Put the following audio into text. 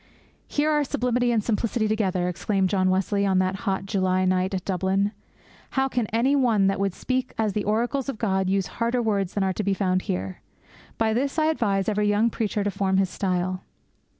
'Here are sublimity and simplicity together!' exclaimed John Wesley on that hot July night at Dublin. 'How can any one that would speak as the oracles of God use harder words than are to be found here? By this I advise every young preacher to form his style!'